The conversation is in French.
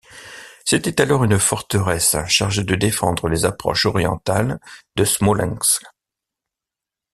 C'était alors une forteresse chargée de défendre les approches orientales de Smolensk.